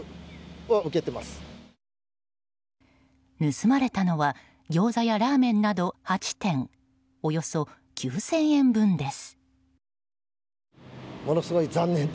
盗まれたのはギョーザやラーメンなど８点およそ９０００円分です。